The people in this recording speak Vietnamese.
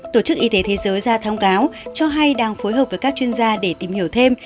tổ chức y tế thế giới ra thông cáo cho hay đang phối hợp với các chuyên gia để tìm hiểu thêm